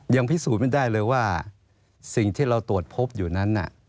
ยังพิสูจน์ไม่ได้เลยว่าสิ่งที่เราตรวจพบอยู่นั้น